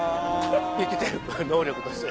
生きてる能力として。